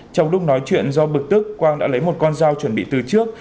trong lúc nói chuyện do bực tức quang đã lấy một con dao chuẩn bị từ trước